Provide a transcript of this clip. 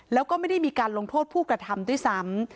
แล้วก็ไม่ได้มีการลงโทษผู้กระทำด้วยซ้ำ